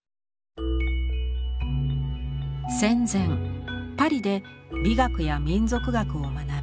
戦前パリで美学や民族学を学び